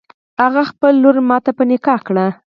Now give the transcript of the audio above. هغه خپله لور ماته په نکاح کړه.